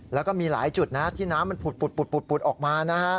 แล้วก็มีหลายจุดนะที่น้ำมันผุดออกมานะฮะ